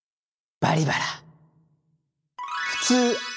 「バリバラ」。